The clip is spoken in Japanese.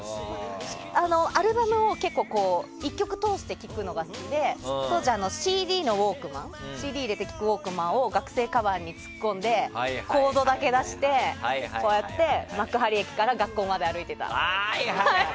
アルバムを結構１曲通して聴くのが好きで当時、ＣＤ入れて聴くウォークマンを学生かばんに突っ込んでコードだけ出して幕張駅から学校まで歩いてた。